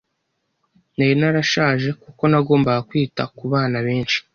Nari narashaje kuko nagombaga kwita kubana benshi.